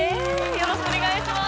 よろしくお願いします。